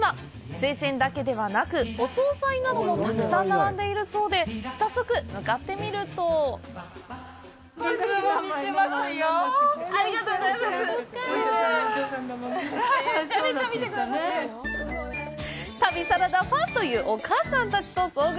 生鮮だけではなく、お総菜などもたくさん並んでいるそうで、早速、向かってみると旅サラダファンというお母さんたちと遭遇。